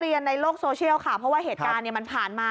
เปลี่ยนในโลกโซเชียลค่ะเพราะว่าเหตุการณ์มันผ่านมา